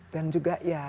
dan juga ya